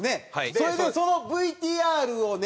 それでそのＶＴＲをね